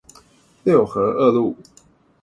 六合二路